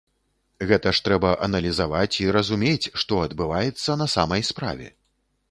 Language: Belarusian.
Гэта ж трэба аналізаваць і разумець, што адбываецца на самай справе.